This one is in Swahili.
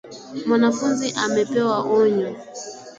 Mwanafunzi amepewa onyo